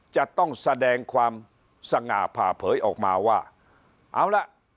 จะต้องแสดงความสง่าผ่าเผยออกมาว่าเอาล่ะ